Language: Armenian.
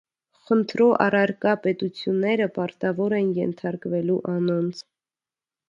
Խնդրոյ առարկայ պետութիւնները պարտաւոր են ենթարկուելու անոնց։